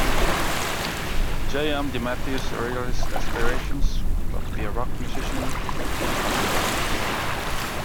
J. M. DeMatteis's earliest aspirations were to be a rock musician and comic-book artist.